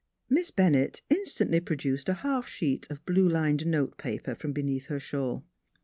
Miss Bennett instantly produced a half sheet of blue lined note paper from beneath her shawl.